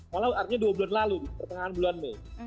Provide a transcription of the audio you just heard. walau artinya dua bulan lalu di pertengahan bulan mei